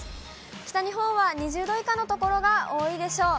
北日本は２０度以下の所が多いでしょう。